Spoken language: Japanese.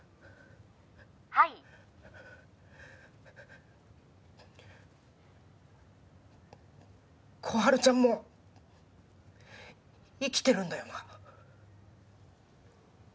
はい心春ちゃんも生きてるんだよな？